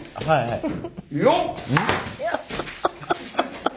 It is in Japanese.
よっ！